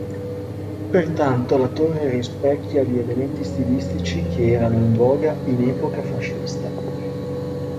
Pertanto, la torre rispecchia gli elementi stilistici che erano in voga in epoca fascista.